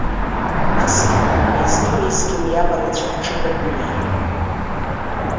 Насгьы, уеизгьы-уеизгьы уиаҟара ицәаԥҽыгам уи.